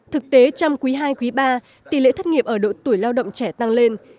thực tế trong quý hai quý ba tỷ lệ thất nghiệp ở độ tuổi lao động trẻ tăng lên